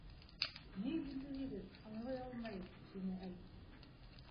—Ни һөйләйһегеҙ, аңлай алмайым! —тине Әлисә.